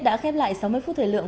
đã khép lại sáu mươi phút thời lượng